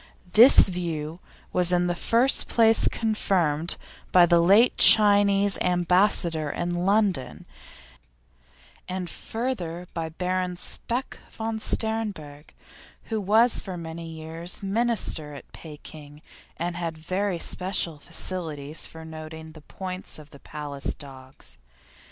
This view was in the first place confirmed by the late Chinese Ambassador in London, and further by Baron Speck von Sternberg, who was for many years Minister at Pekin and had very special facilities for noting the points of the Palace dogs.